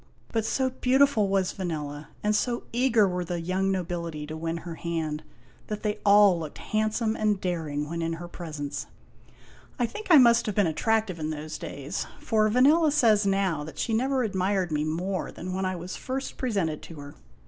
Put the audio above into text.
But so beautiful was Vanella, and so eager were the young nobility to win her hand, that they all looked handsome and daring when in her presence. I think I must have been attractive in those days, for Vanella says now that she never THE WINNING OF VANELLA 117 admired me more than when I was first presented to her.